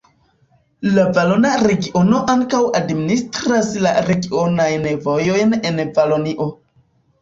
La Valona Regiono ankaŭ administras la regionajn vojojn en Valonio.